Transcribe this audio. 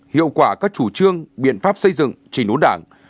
hiệu quả các chủ trương biện pháp xây dựng trình đốn đảng